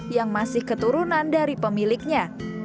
yang masih keturunan dari pemiliknya